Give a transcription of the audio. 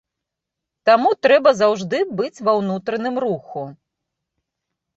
Таму трэба заўжды быць ва ўнутраным руху.